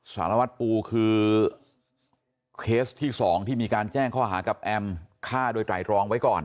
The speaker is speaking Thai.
สารวัตรปูคือเคสที่๒ที่มีการแจ้งข้อหากับแอมฆ่าโดยไตรรองไว้ก่อน